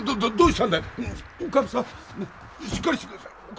しっかりして下さい。